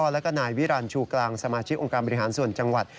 แล้วก็นายวิรันชูกลางสมาชิกองค์การบริหารส่วนจังหวัด